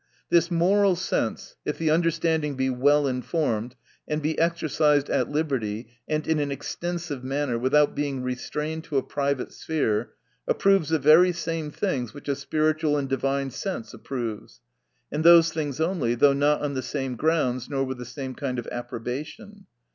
This moral sense, if the understanding be well informed, and be exer cised at liberty, and in an extensive manner, without being restrained to a private sphere, approves the very same things which a spiritual and divine sense ap proves ; and those things only : though not on the same grounds, nor with the same kind of approbation.